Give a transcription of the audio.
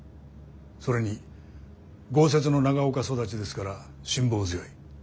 それに豪雪の長岡育ちですから辛抱強い。